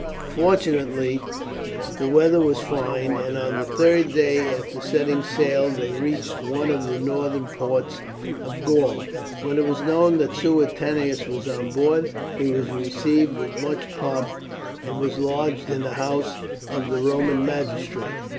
Fortunately the weather was fine, and on the third day after setting sail they reached one of the northern ports of Gaul. When it was known that Suetonius was on board, he was received with much pomp, and was lodged in the house of the Roman magistrate.